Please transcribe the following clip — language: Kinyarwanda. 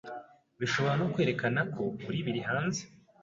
bishobora no kwerekanako uri biri hanze